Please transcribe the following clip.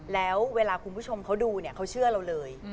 แล้วเวลาคุณผู้ชมเขาดูเนี่ยเขาเชื่อเราเลย